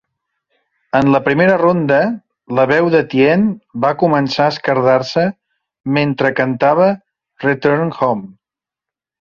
En la primera ronda, la veu de Tien va començar a esquerdar-se mentre cantava "Return Home".